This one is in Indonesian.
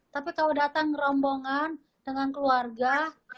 tapi kalau datang rombongan dengan keluarga